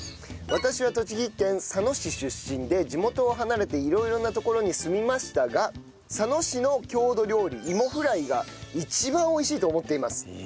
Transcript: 私は栃木県佐野市出身で地元を離れて色々な所に住みましたが佐野市の郷土料理いもフライが一番美味しいと思っています。